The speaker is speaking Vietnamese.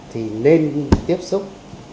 thì nên tiếp xúc